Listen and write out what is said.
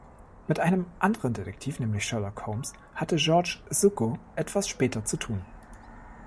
Mit einem anderen Detektiv, nämlich Sherlock Holmes hatte George Zucco etwas später zu tun.